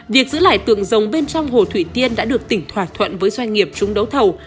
việc giữ lại tượng dòng bên trong hồ thủy tiên đã được tỉnh thỏa thuận với doanh nghiệp chúng đấu thầu